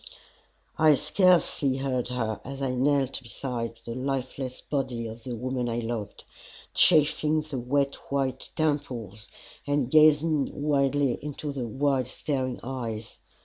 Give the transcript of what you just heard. I scarcely heard her as I knelt beside the lifeless body of the woman I loved, chafing the wet white temples and gazing wildly into the wide staring eyes.